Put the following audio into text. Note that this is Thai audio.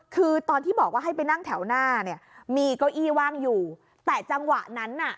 คือตอนที่บอกว่าให้ไปนั่งแถวหน้าเนี่ยมีเก้าอี้ว่างอยู่แต่จังหวะนั้นน่ะ